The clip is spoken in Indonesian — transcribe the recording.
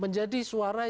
menjadi suara yang